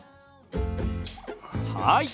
はい！